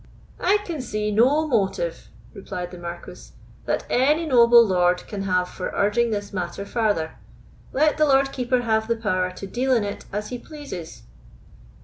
"I can see no motive," replied the Marquis, "that any noble lord can have for urging this matter farther; let the Lord Keeper have the power to deal in it as he pleases."